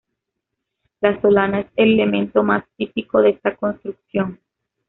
La solana es el elemento más típico de esta construcción.